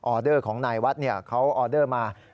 เดอร์ของนายวัดเขาออเดอร์มา